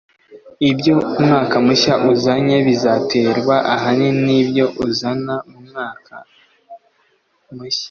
ibyo umwaka mushya uzanye bizaterwa ahanini nibyo uzana mu mwaka mushya